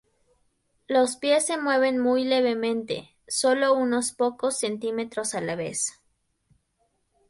Los pies se mueven muy levemente, solo unos pocos centímetros a la vez.